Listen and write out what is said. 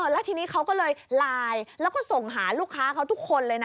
แล้วทีนี้เขาก็เลยไลน์แล้วก็ส่งหาลูกค้าเขาทุกคนเลยนะ